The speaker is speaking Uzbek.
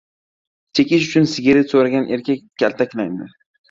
Chekish uchun sigaret so‘ragan erkak kaltaklandi